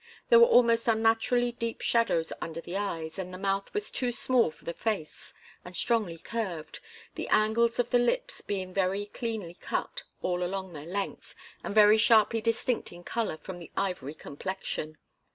There were almost unnaturally deep shadows under the eyes, and the mouth was too small for the face and strongly curved, the angles of the lips being very cleanly cut all along their length, and very sharply distinct in colour from the ivory complexion.